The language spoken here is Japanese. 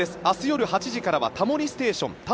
明日夜８時からは「タモリステーション」。